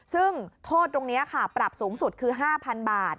ซึ่งโทษตรงนี้ค่ะปรับสูงสุดคือ๕๐๐๐บาท